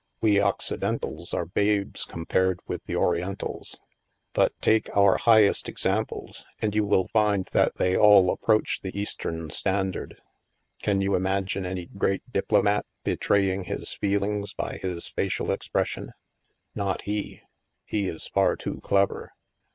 We Occidentals are babes compared with the Orien tals. But take our highest examples, and you will find that they all approach the Eastern standard. Can you imagine any great diplomat betraying his feelings by his facial expression ? Not he ; he is far too clever.